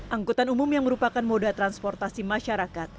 angkutan umum yang merupakan moda transportasi masyarakat